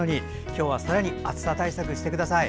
今日は、さらに暑さ対策をしてください。